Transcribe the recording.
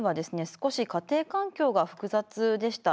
少し家庭環境が複雑でした。